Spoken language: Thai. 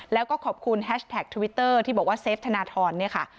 แล้วก็ขอบคุณแฮชแท็กทวิตเตอร์ที่บอกว่าเซฟธนทรเนี่ยค่ะ